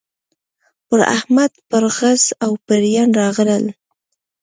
پر احمد پرغز او پېریان راغلل.